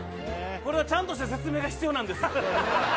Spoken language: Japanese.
これはちゃんとした説明が必要なんです